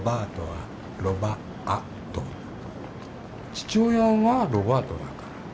父親はロバートだから。